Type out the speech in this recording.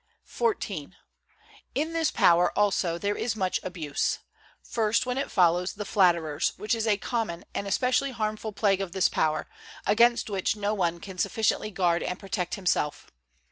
XIV. In this power also there is much abuse. First, when it follows the flatterers, which is a common and especially harmful plague of this power, against which no one can sufficiently guard and protect himself.